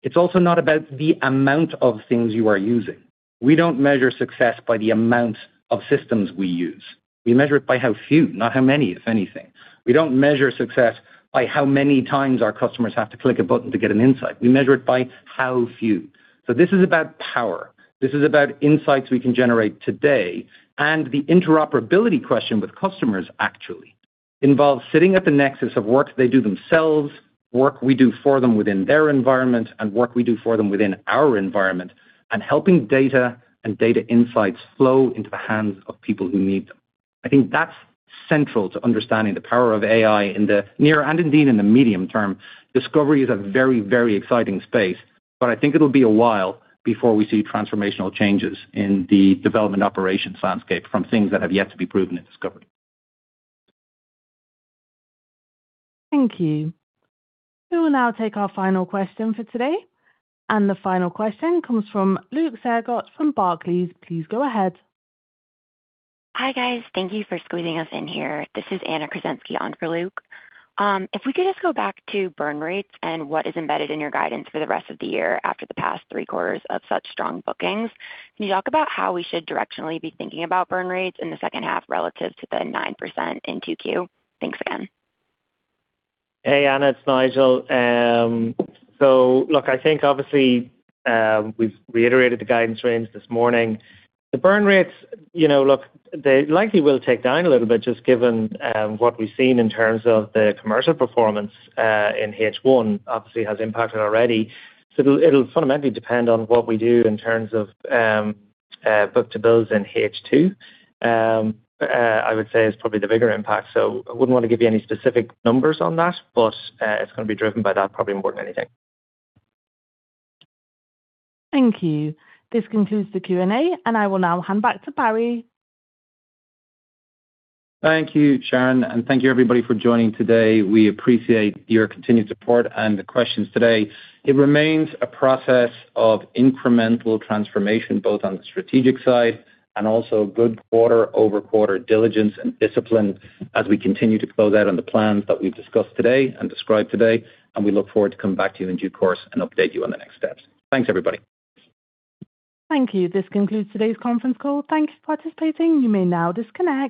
It's also not about the number of things you are using. We don't measure success by the number of systems we use. We measure it by how few, not how many, if anything. We don't measure success by how many times our customers have to click a button to get an insight. We measure it by how few. This is about power. This is about insights we can generate today, and the interoperability question with customers actually involves sitting at the nexus of work they do themselves, work we do for them within their environment, and work we do for them within our environment, and helping data and data insights flow into the hands of people who need them. I think that's central to understanding the power of AI in the near and indeed in the medium term. Discovery is a very exciting space, but I think it'll be a while before we see transformational changes in the development operations landscape from things that have yet to be proven in discovery. Thank you. We will now take our final question for today. The final question comes from Luke Sergott from Barclays. Please go ahead. Hi, guys. Thank you for squeezing us in here. This is Anna Kruszenski on for Luke. If we could just go back to burn rates and what is embedded in your guidance for the rest of the year after the past three quarters of such strong bookings. Can you talk about how we should directionally be thinking about burn rates in the second half relative to the 9% in Q2? Thanks again. Hey, Anna. It's Nigel. Look, I think, obviously, we've reiterated the guidance range this morning. The burn rates—they likely will take down a little bit just given what we've seen in terms of the commercial performance in H1, which obviously has already been impacted. It'll fundamentally depend on what we do in terms of book-to-bills in H2. I would say it's probably the bigger impact. I wouldn't want to give you any specific numbers on that, but it's going to be driven by that probably more than anything. Thank you. This concludes the Q&A. I will now hand it back to Barry. Thank you, Sharon, and thank you, everybody, for joining today. We appreciate your continued support and the questions today. It remains a process of incremental transformation both on the strategic side and also good quarter-over-quarter diligence and discipline as we continue to close out on the plans that we've discussed today and described today. We look forward to coming back to you in due course and updating you on the next steps. Thanks, everybody. Thank you. This concludes today's conference call. Thanks for participating. You may now disconnect.